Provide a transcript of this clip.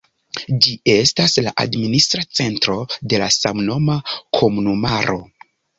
Ĝi estas la administra centro de samnoma komunumaro.